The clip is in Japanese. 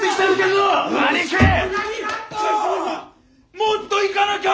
もっといかなきゃ！